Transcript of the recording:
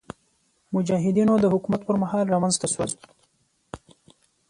مجاهدینو د حکومت پر مهال رامنځته شول.